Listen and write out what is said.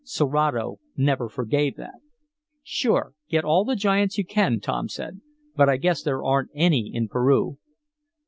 Serato never forgave that. "Sure, get all the giants you can," Tom said. "But I guess there aren't any in Peru."